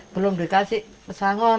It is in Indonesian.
belum dikasih pesangon